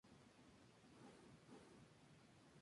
David Ruffin fue seleccionado para cantar en la canción.